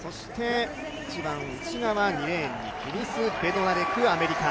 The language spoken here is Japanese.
一番内側２レーンにケニス・ベドナレク、アメリカ。